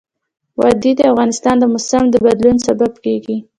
وادي د افغانستان د موسم د بدلون سبب کېږي.